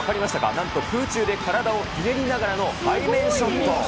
なんと空中で体をひねりながらの背面ショット。